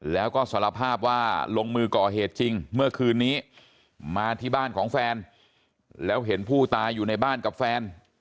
แล้วก็สารภาพว่าลงมือก่อเหตุจริงเมื่อคืนนี้มาที่บ้านของแฟนแล้วเห็นผู้ตายอยู่ในบ้านกับแฟน